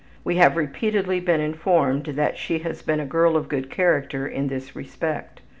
We have repeatedly been informed that she has been a girl of good character in this respect.